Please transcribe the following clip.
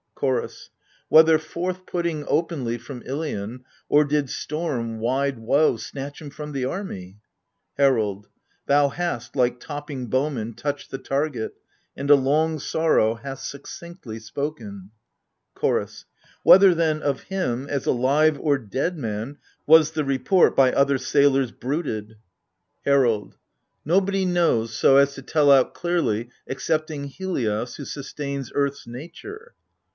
CHOROS. Whether forth putting openly from Ilion, Or did storm — wide woe— 'snatch him from the army ? HERALD. Thou hast, like topping bowman, touched the target, And a long sorrow hast succinctly spoken. CHOROS. Whether, then, of him, as a live or dead man Was the report by other sailors bruited ? 54 AGAMEMNON. HERALD. Nobody knows so as to tell out clearly Excepting Helios who sustains earth's nature.